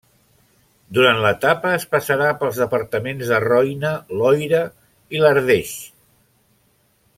Durant l'etapa es passarà pels departaments de Roine, Loira i l'Ardecha.